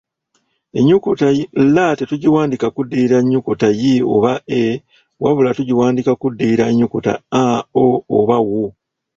"Ennyukuta l tetugiwandiika kuddirira nnyukuta i oba e wabula tugiwandiika kuddirira nnyukuta a, o oba u."